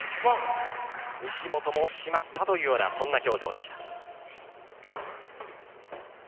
西本もしまったというような表情でした。